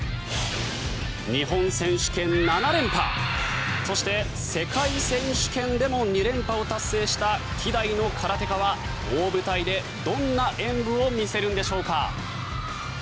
日本選手権７連覇そして世界選手権でも２連覇を達成した希代の空手家は大舞台でどんな演武を見せるんでしょうか。